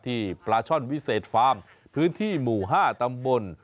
ที่ปลาช่อนวิเศษฟาร์มพื้นที่หมู่๕ตำบล